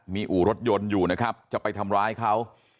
มีอู่รถยนต์อยู่นะครับจะไปทำร้ายเขา